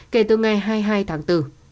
kể từ ngày hai mươi hai tháng bốn